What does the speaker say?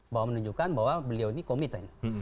bahwa menunjukkan bahwa beliau ini committent